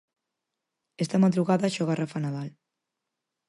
Esta madrugada xoga Rafa Nadal.